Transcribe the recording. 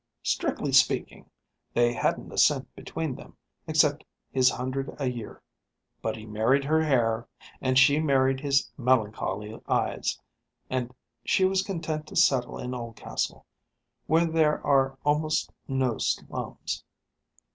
Strictly speaking, they hadn't a cent between them, except his hundred a year. But he married her hair and she married his melancholy eyes; and she was content to settle in Oldcastle, where there are almost no slums.